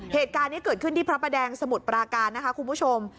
เหตุการณ์นี้เกิดขึ้นที่พระประแดงสมุทรปราการนะคะคุณผู้ชม